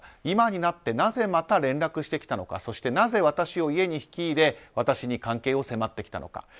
今になってなぜまた連絡してきたのかそしてなぜ私を家に引き入れ私に関係を迫ってきたのか。